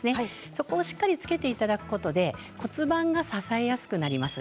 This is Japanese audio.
そこをしっかりつけていただくことで骨盤が支えやすくなります。